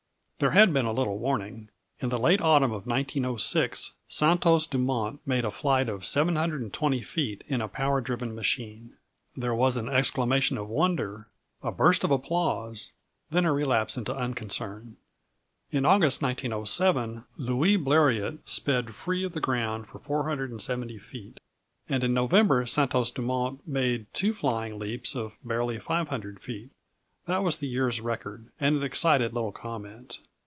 There had been a little warning. In the late autumn of 1906, Santos Dumont made a flight of 720 feet in a power driven machine. There was an exclamation of wonder, a burst of applause then a relapse into unconcern. In August, 1907, Louis Bleriot sped free of the ground for 470 feet; and in November, Santos Dumont made two flying leaps of barely 500 feet. That was the year's record, and it excited little comment.